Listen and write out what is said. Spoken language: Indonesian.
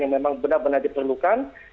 yang memang benar benar diperlukan